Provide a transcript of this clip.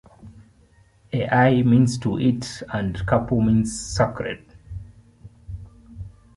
"Ai" means "to eat" and "Kapu" means sacred.